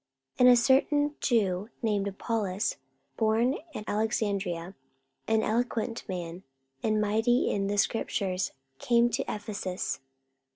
44:018:024 And a certain Jew named Apollos, born at Alexandria, an eloquent man, and mighty in the scriptures, came to Ephesus.